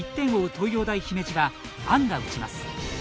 東洋大姫路はアンが打ちます。